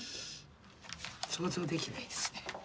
想像できないですね。